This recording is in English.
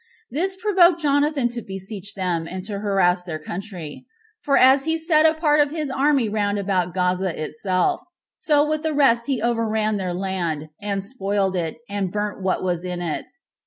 This provoked Jonathan to besiege them, and to harass their country; for as he set a part of his army round about Gaza itself, so with the rest he overran their land, and spoiled it, and burnt what was in it.